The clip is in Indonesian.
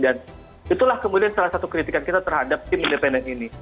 dan itulah kemudian salah satu kritikan kita terhadap tim independen ini